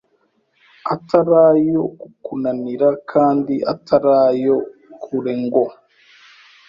atari ayo kukunanira kandi atari aya kure ngo